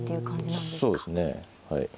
そうですねはい。